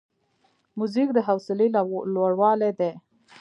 موزیک د حوصله لوړاوی دی.